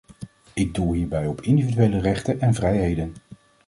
Ik doel hierbij op individuele rechten en vrijheden.